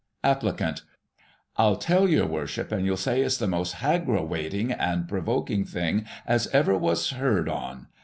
Applicant: FU tell your worship, and you'll say it's the most haggrawating and provoking thing as ever was heard on.